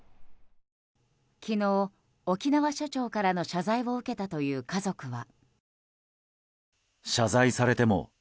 昨日、沖縄署長からの謝罪を受けたという家族は。